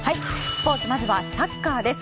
スポーツまずはサッカーです。